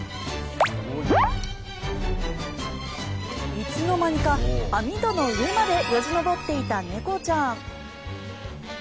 いつの間にか、網戸の上までよじ登っていた猫ちゃん。